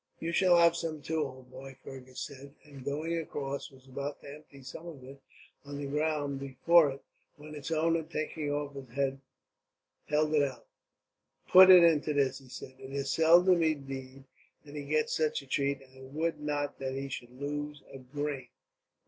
"You shall have some too, old boy," Fergus said; and going across, was about to empty some on to the ground before it, when its owner, taking off his hat, held it out. "Put it into this," he said. "It is seldom, indeed, that he gets such a treat; and I would not that he should lose a grain."